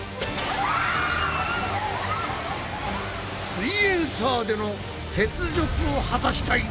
「すイエんサー」での雪辱を果たしたい！